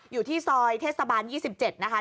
อยู่ที่ซอยเทศบาลยี่สิบเจ็ดนะคะ